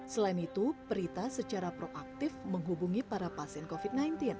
selain itu prita secara proaktif menghubungi para pasien covid sembilan belas